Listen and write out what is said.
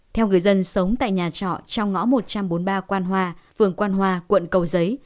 theo người dân sống tại nhà trọ trong ngõ một trăm bốn mươi ba quan hoa phường quan hòa quận cầu giấy